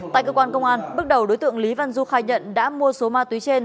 tại cơ quan công an bước đầu đối tượng lý văn du khai nhận đã mua số ma túy trên